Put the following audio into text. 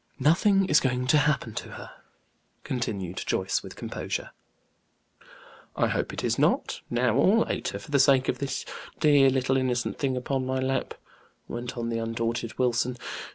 "Nothing is going to happen to her," continued Joyce, with composure. "I hope it is not, now or later for the sake of this dear little innocent thing upon my lap," went on the undaunted Wilson.